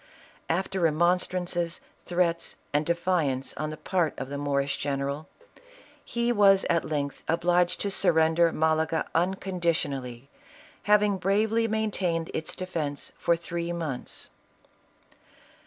After remonstrances, threats, and defiance on the part of the Moorish general, he was at length obliged to surrender Malaga unconditionally, having bravely maintained its defence for three months.